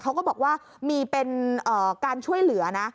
เขาก็บอกว่ามีเป็นการช่วยเหลือนะ